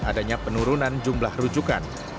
adanya penurunan jumlah rujukan